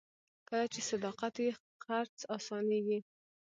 کله چې صداقت وي، خرڅ اسانېږي.